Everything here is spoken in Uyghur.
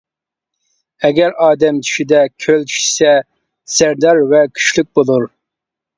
ئەگەر ئادەم چۈشىدە كۆل چۈشىسە زەردار ۋە كۈچلۈك بولۇر.